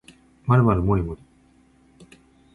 まるまるもりもり